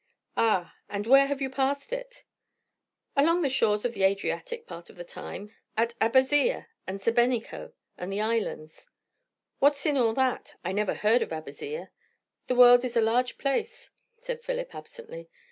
"Ah! And where have you passed it?" "Along the shores of the Adriatic, part of the time. At Abazzia, and Sebenico, and the islands." "What's in all that? I never heard of Abazzia." "The world is a large place," said Philip absently.